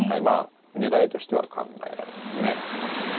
まあ狙いとしては考えられますね。